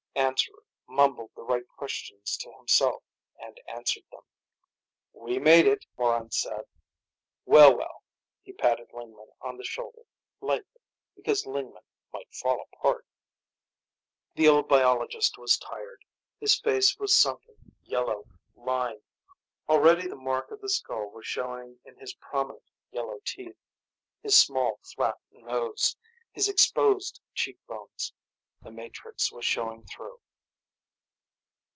Answerer mumbled the right questions to himself, and answered them. "We made it," Morran said. "Well, well." He patted Lingman on the shoulder lightly, because Lingman might fall apart. The old biologist was tired. His face was sunken, yellow, lined. Already the mark of the skull was showing in his prominent yellow teeth, his small, flat nose, his exposed cheekbones. The matrix was showing through.